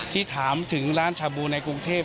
ที่ถามถึงร้านชาบูในกรุงเทพ